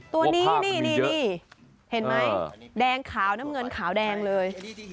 ตัวนี้นี่เห็นไหมแดงขาวน้ำเงินขาวแดงเลย